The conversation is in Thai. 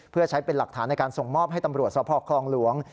เพื่อใช้เป็นหลักฐานในการส่งมอบให้ตำรวจสภคลองหลวง